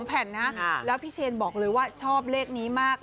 แผ่นนะแล้วพี่เชนบอกเลยว่าชอบเลขนี้มาก